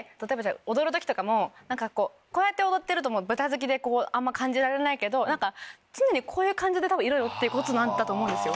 踊る時とかもこうやって踊ってるとベタづきであんま感じられないけど常にこういう感じでいろよってことなんだと思うんですよ。